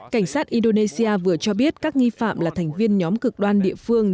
cảnh sát indonesia vừa cho biết các nghi phạm là thành viên nhóm cực đoan địa phương